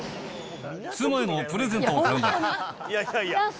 妻へのプレゼントを買うんだ。